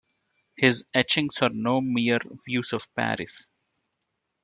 His etchings are no mere views of Paris.